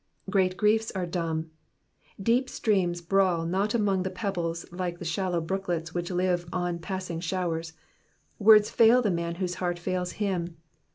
"^^ Great giiefs are dumb. Deep streams brawl not among the pebbles like the shallow brooklets which live on passing showers. Word* fail the man whose heart fails him.